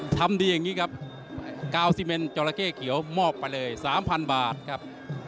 ทำดีอย่างนี้ครับกาวซิเมนจอราเข้เขียวมอบไปเลย๓๐๐บาทครับ